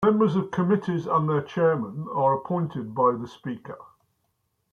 Members of committees and their chairmen are appointed by the Speaker.